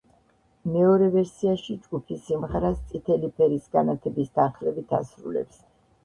მეორე ვერსიაში ჯგუფი სიმღერას წითელი ფერის განათების თანხლებით ასრულებს.